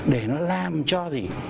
để nó làm cho gì